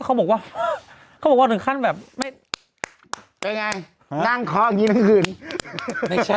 อะเขาบอกว่าเขาบอกว่าหนึ่งขั้นแบบไม่เอาไงรรงล่วงนี้